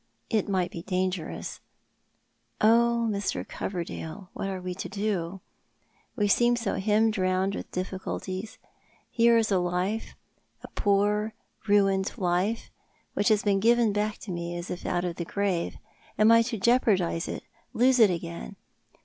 It might be dangerous. Oh, iMr. Coverdale, what are we to do? We seem hemmed round with difticulties. Here is a life— a poor ruined life— which hiis been given back to me as if out of the grave. Am I to jeopardise it —lose it again